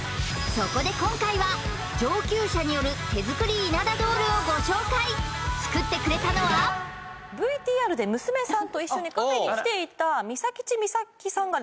そこで今回は上級者による手作り稲田ドールをご紹介作ってくれたのはＶＴＲで娘さんと一緒にカフェに来ていたみさきちみさきさんがですね